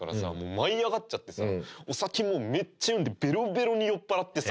舞い上がっちゃってさお酒もうめっちゃ飲んでベロベロに酔っ払ってさ。